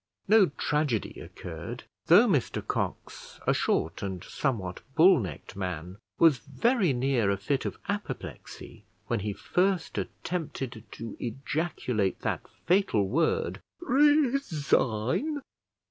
No tragedy occurred, though Mr Cox, a short and somewhat bull necked man, was very near a fit of apoplexy when he first attempted to ejaculate that fatal word resign!